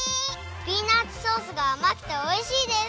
ピーナツソースがあまくておいしいです！